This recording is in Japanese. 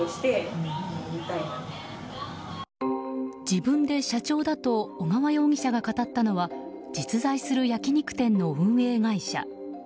自分で社長だと小川容疑者が語ったのは実在する焼き肉店の運営会社。